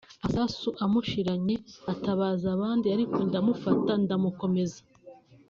amasasu amushiranye atabaza abandi ariko ndamufata ndamukomeza